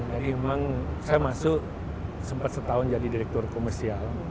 jadi memang saya masuk sempat setahun jadi direktur komersial